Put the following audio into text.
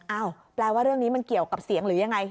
แปลว่าเรื่องนี้มันเกี่ยวกับเสียงหรือยังไง